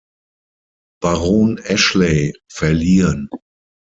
Baron Ashley, verliehen.